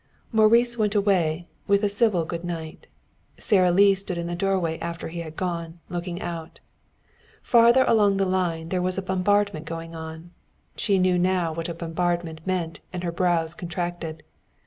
Maurice went away, with a civil good night. Sara Lee stood in the doorway after he had gone, looking out. Farther along the line there was a bombardment going on. She knew now what a bombardment meant and her brows contracted.